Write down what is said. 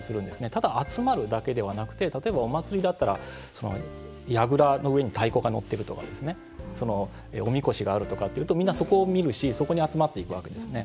ただ、集まるだけでなくて例えば、お祭りだったらやぐらの上に太鼓が乗っているとかおみこしがあるとかっていうとみんな、そこを見るしそこに集まっていくわけですね。